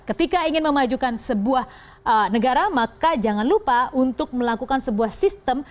ketika ingin memajukan sebuah negara maka jangan lupa untuk melakukan sebuah sistem